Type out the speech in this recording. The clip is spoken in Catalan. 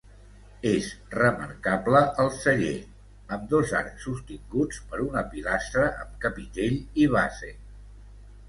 És remarcable el celler, amb dos arcs sostinguts per una pilastra amb capitell i base.